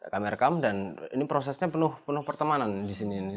kami rekam dan ini prosesnya penuh penuh pertemanan di sini